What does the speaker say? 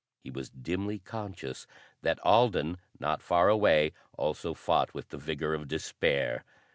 He was dimly conscious that Alden, not far away, also fought with the vigor of despair.